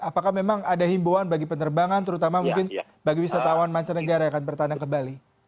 apakah memang ada himbauan bagi penerbangan terutama mungkin bagi wisatawan mancanegara yang akan bertandang ke bali